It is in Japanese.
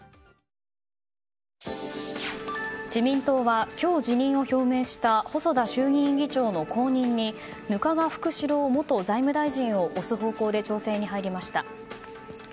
自民党は今日辞任を表明した細田衆議院議長の後任に額賀福志郎元財務大臣を推す方向で調整に入りました。